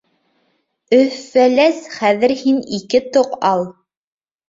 Өф-Фәләс хәҙер һин ике тоҡ ал.